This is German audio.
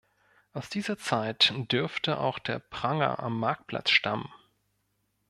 Aus dieser Zeit dürfte auch der Pranger am Marktplatz stammen.